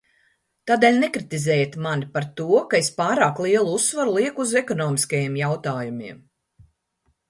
Tādēļ nekritizējiet mani par to, ka es pārāk lielu uzsvaru lieku uz ekonomiskajiem jautājumiem!